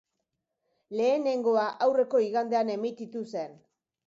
Lehenengoa aurreko igandean emititu zen.